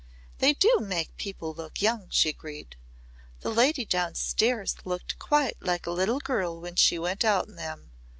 "They do make people look young," she agreed. "The Lady Downstairs looked quite like a little girl when she went out in them.